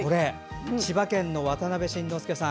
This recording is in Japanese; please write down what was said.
千葉県の渡邊信之輔さん。